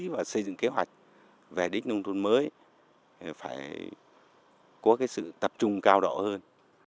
và xây dựng kế hoạch về đích nông thuận mới phải có cái sự tập trung cao độ hơn